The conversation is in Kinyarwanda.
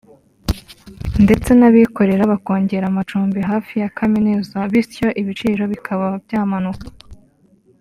ndetse n’abikorera bakongera amacumbi hafi ya kaminuza bityo ibiciro bikaba byamanuka